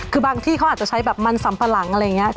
คือบางที่เขาอาจจะใช้แบบมันสัมปะหลังอะไรอย่างนี้